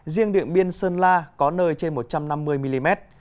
riêng điện biên sơn la có nơi trên một trăm năm mươi mm